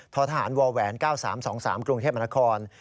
ทหารวแหวน๙๓๒๓กรุงเทพมนาคม